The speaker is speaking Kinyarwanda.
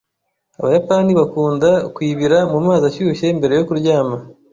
Abayapani bakunda kwibira mumazi ashyushye mbere yo kuryama.